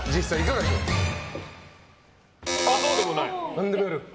何でもやる？